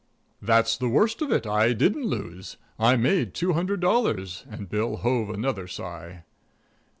"That's the worst of it I didn't lose; I made two hundred dollars," and Bill hove another sigh.